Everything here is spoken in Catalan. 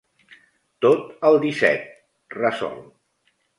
Tot al disset —resol.